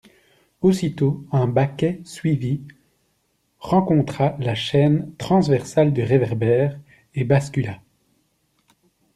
Aussitôt un baquet suivit, rencontra la chaîne transversale du réverbère, et bascula.